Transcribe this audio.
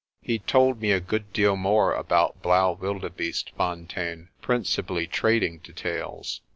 He told me a good deal more about Blaauwildebeestefon tein, principally trading details.